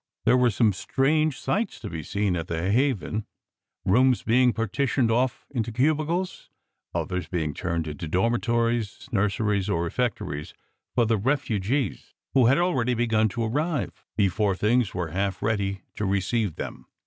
There were some quaint sights to be seen at "The Ha ven, "rooms being partitioned off into cubicles; others being turned into dormitories, nurseries, or refectories for the refugees, who had already begun to arrive, before things were half ready to receive them.